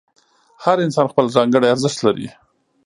هر انسان خپل ځانګړی ارزښت لري.